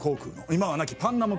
今はなきパンナム